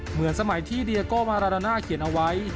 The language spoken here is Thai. เหมือนสมัยที่เดียโกมาราดาน่าเขียนเอาไว้